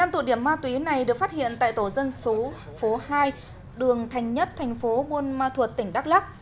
năm tụ điểm ma túy này được phát hiện tại tổ dân số hai đường thành nhất thành phố buôn ma thuột tỉnh đắk lắc